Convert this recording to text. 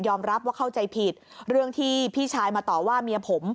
รับว่าเข้าใจผิดเรื่องที่พี่ชายมาต่อว่าเมียผม